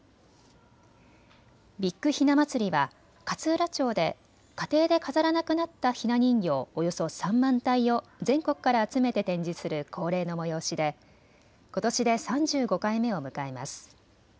ビッグひな祭りは勝浦町で家庭で飾らなくなったひな人形およそ３万体を全国から集めて展示する恒例の催しでことしで３５回目を迎えます。